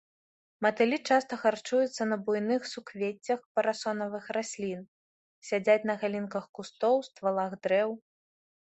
Матылі часта харчуюцца на буйных суквеццях парасонавых раслін, сядзяць на галінках кустоў, ствалах дрэў.